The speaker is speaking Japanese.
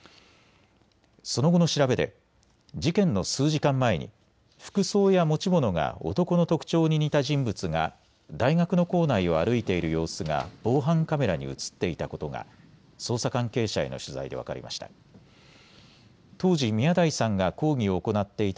その後の調べで事件の数時間前に服装や持ち物が男の特徴に似た人物が大学の構内を歩いている様子が防犯カメラに写っていたことが捜査関係者への取材で分かりました。